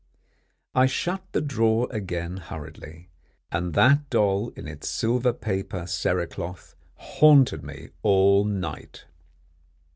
I shut the drawer again hurriedly, and that doll in its silver paper cerecloth haunted me all night.